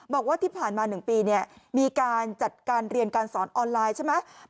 บอกว่าที่ผ่านมา๑ปีมีการจัดการเรียนการสอนออนไลน์ใช่ไหม